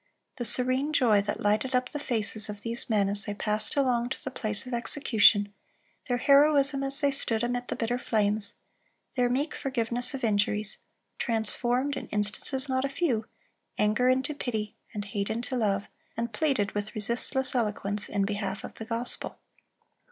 The serene joy that lighted up the faces of these men as they passed along ... to the place of execution, their heroism as they stood amid the bitter flames, their meek forgiveness of injuries, transformed, in instances not a few, anger into pity, and hate into love, and pleaded with resistless eloquence in behalf of the gospel."